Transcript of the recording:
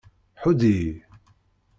Ḥudd-iyi!